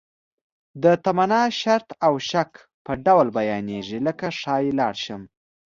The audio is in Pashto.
د تمنا، شرط او شک په ډول بیانیږي لکه ښایي لاړ شم.